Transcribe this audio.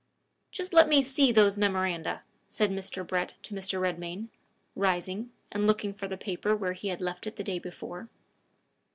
"Just let me see those memoranda," said Mr. Brett to Mr. Redmain, rising, and looking for the paper where he had left it the day before.